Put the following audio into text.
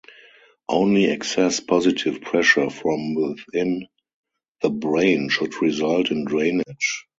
Only excess positive pressure from within the brain should result in drainage.